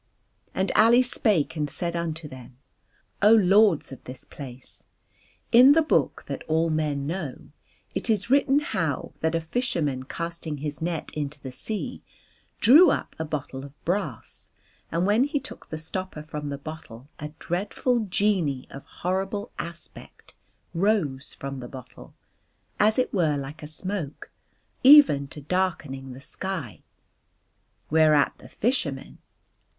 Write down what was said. And Ali spake and said unto them: "O lords of this place; in the book that all men know it is written how that a fisherman casting his net into the sea drew up a bottle of brass, and when he took the stopper from the bottle a dreadful genie of horrible aspect rose from the bottle, as it were like a smoke, even to darkening the sky, whereat the fisherman..."